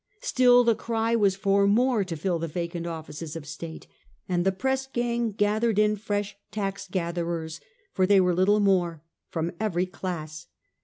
Still the cry was for more to fill the vacant offices of state, and the press gang gathered in fresh tax gatherers — for they were little more — from every class.